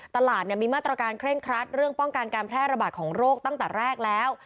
ตลาดมีมาตรการเคร่งครัดเรื่องป้องกันการแพร่ระบาดของโรคตั้งแต่แรกแล้ว